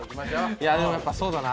いやでもやっぱそうだな。